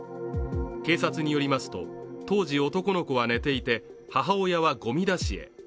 警察によりますと、当時、男の子は寝ていて母親はゴミ出しへ。